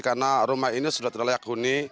karena rumah ini sudah tidak layak kuni